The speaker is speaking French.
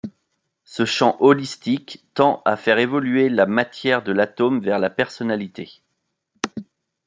Ce champ holistique tend à faire évoluer la matière de l'atome vers la personnalité.